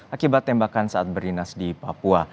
akibat tembakan saat berdinas di papua